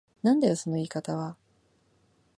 なんだよその言い方は。